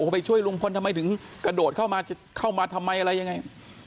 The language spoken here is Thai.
ไปช่วยลุงพลทำไมถึงกระโดดเข้ามาเข้ามาทำไมอะไรยังไง